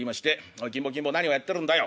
「おい金坊金坊何をやってるんだよ。